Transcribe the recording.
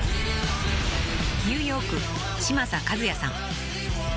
［ニューヨーク嶋佐和也さん］